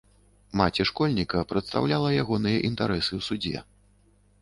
Маці школьніка прадстаўляла ягоныя інтарэсы ў судзе.